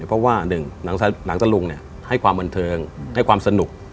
เพราะว่าหนึ่งหนังตะลุงให้ความบันเทิงให้ความสนุก